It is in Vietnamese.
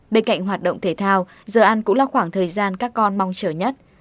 bên cạnh hoạt động thể thao giờ ăn cũng là khoảng thời gian các con mong chờ nhất